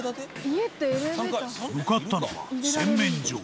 向かったのは洗面所